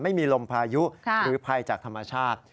ไม่มีลมพายุหรือภัยจากธรรมชาติ